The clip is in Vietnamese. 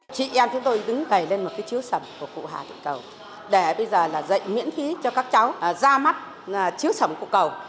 chị em chúng tôi đứng gầy lên một cái chiếu sẩm của cụ hà thị cầu để bây giờ là dạy miễn phí cho các cháu ra mắt chiếu sẩm cụ cầu